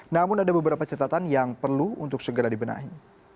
namun ada beberapa catatan yang perlu untuk segera dibenahi